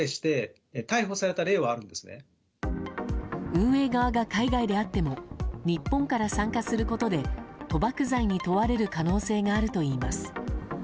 運営側が海外であっても日本から参加することで賭博罪に問われる可能性があるといいます。